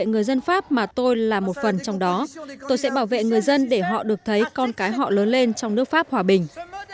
người dân pháp mà tôi là một phần trong đó tôi sẽ bảo vệ người dân để họ được thấy con cái họ lớn lên trong nước pháp hòa bình